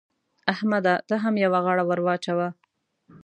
احمده! ته هم يوه غاړه ور واچوه.